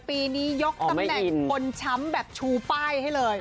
ปีนี้ยกตำแหน่งคนช้ำแบบชูป้ายให้เลย